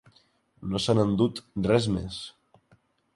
No s’han endut res més.